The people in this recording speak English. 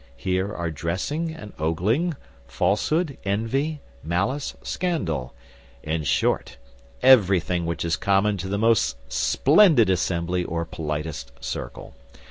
Here are dressing and ogling, falsehood, envy, malice, scandal; in short, everything which is common to the most splendid assembly, or politest circle.